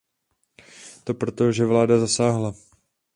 To proto, že vláda zasáhla.